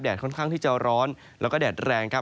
ในแต่ละพื้นที่เดี๋ยวเราไปดูกันนะครับ